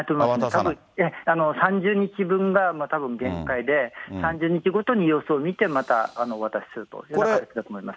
たぶん、３０日分がたぶん限界で、３０日ごとに様子を見て、また渡すという形だと思います。